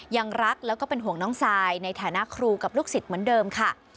ยังรักแล้วก็เป็นห่วงน้องซายในฐานะครูกับลูกศิษย์เหมือนเดิมค่ะ